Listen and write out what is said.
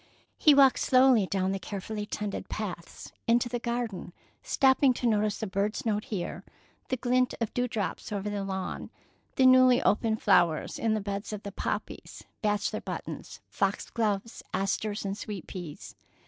He walked slowly down the carefully tended paths, into the garden, stopping to notice a bird's note here, the glint of dew drops over the lawn, the newly opened flowers in the beds of poppies, bachelor buttons, foxglove, asters, and sweet peas.